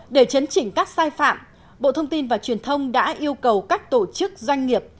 để chấn chỉnh các sai phạm bộ thông tin và truyền thông đã yêu cầu các tổ chức doanh nghiệp